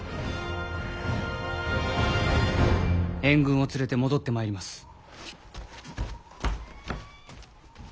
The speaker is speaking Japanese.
援軍を連れて戻ってまいります。